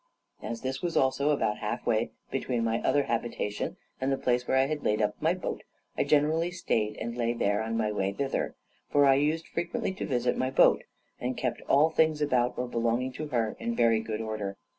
As this was also about half way between my other habitation and the place where I had laid up my boat, I generally stayed and lay here in my way thither, for I used frequently to visit my boat; and I kept all things about or belonging to her in very good order.